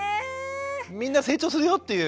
みんな成長するよっていう。